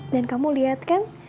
dan kamu lihat kan